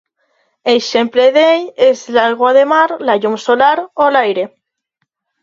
Exemple d'ell és l'aigua de mar, la llum solar o l'aire.